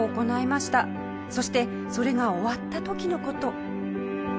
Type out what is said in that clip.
そしてそれが終わった時の事。